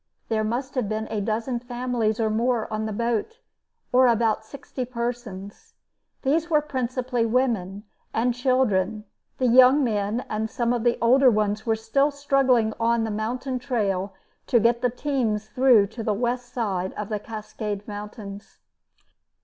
There must have been a dozen families or more on the boat, or about sixty persons. These were principally women and children; the young men and some of the older ones were still struggling on the mountain trail to get the teams through to the west side of the Cascade Mountains.